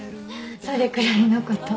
それくらいのこと。